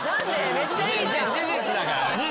めっちゃいいじゃん。事実だからね。